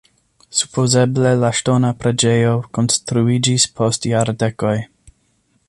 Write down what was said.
Supozeble la ŝtona preĝejo konstruiĝis post jardekoj.